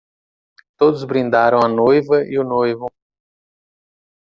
Todos brindaram a noiva e o noivo.